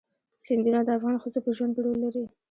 سیندونه د افغان ښځو په ژوند کې رول لري.